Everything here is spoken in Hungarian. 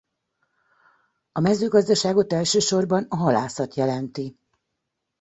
A mezőgazdaságot elsősorban a halászat jelenti.